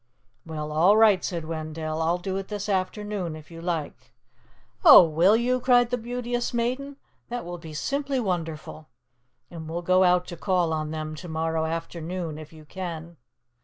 "Well, all right," said Wendell. "I'll do it this afternoon, if you like." "Oh, will you?" cried the Beauteous Maiden. "That will be simply wonderful. And we'll go out to call on them to morrow afternoon if you can."